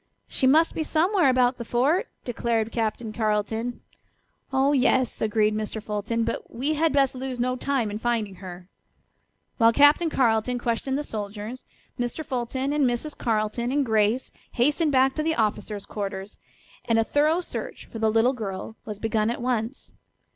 "She must be somewhere about the fort," declared Captain Carleton. "Oh, yes," agreed Mr. Fulton, "but we had best lose no time in finding her." While Captain Carleton questioned the soldiers, Mr. Fulton and Mrs. Carleton and Grace hastened back to the officers' quarters, and a thorough search for the little girl was begun at once.